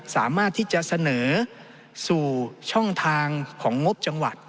สามารถที่จะเสนอสู่ช่องทางของงบจังหวัด